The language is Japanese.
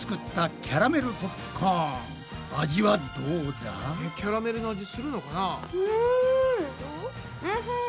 キャラメルの味するのかな？